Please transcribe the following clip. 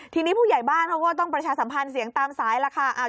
ทีนี้ผู้ใหญ่บ้านเขาก็ต้องประชาสัมพันธ์เสียงตามสายแล้วค่ะ